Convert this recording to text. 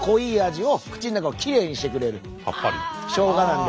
しょうがなので。